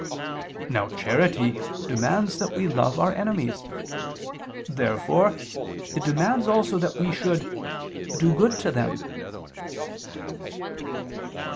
Now charity demands that we love our enemies. Therefore it demands also that we should "do good to them."